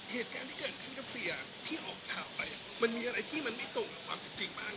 เหตุการณ์ที่เกิดขึ้นกับเสียที่ออกข่าวไปมันมีอะไรที่มันไม่ตรงกับความเป็นจริงบ้าง